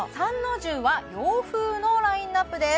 重は洋風のラインナップです